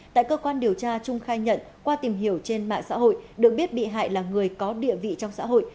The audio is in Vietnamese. tại cơ quan điều tra trung khai nhận qua tìm hiểu trên mạng xã hội được biết bị hại là người có địa vị trong xã hội